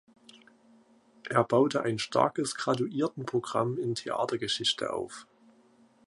Er baute ein starkes Graduiertenprogramm in Theatergeschichte auf.